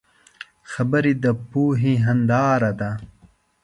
خبرې د پوهې هنداره ده